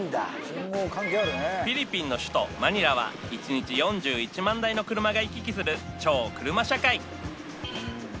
フィリピンの首都マニラは１日４１万台の車が行き来する超車社会